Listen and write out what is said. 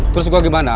terus gua gimana